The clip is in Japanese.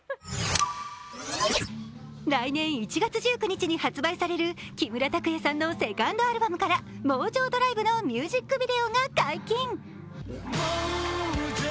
来年１月１９日に発売される木村拓哉さんのセカンドアルバムから「ＭＯＪＯＤＲＩＶＥ」のミュージックビデオが解禁。